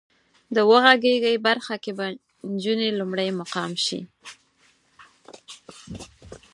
د وغږېږئ برخه کې به انجونې لومړی مقام شي.